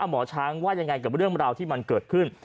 หมอช้างว่ายังไงกับเรื่องราวที่มันเกิดขึ้น